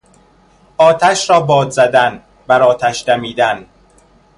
آتش را باد زدن، برآتش دمیدن